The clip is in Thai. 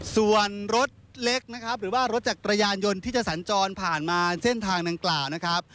ส่วนรถเล็กนะครับหรือว่ารถจักรยานยนต์ที่จะสัญจรผ่านมาเส้นทางดังกล่าวนะครับ